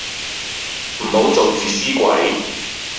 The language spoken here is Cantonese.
唔好做自私鬼